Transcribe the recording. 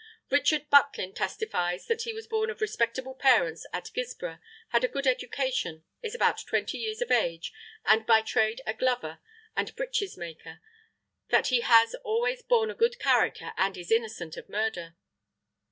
Richard Butlin testifies that he was born of respectable parents at Guilsborough, had a good education, is about twenty years of age, and by trade a glover and breeches maker, that he has always borne a good character and is innocent of murder.